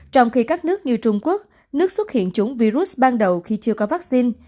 trong khi các nước như trung quốc nước xuất hiện chúng virus ban đầu khi chưa có vaccine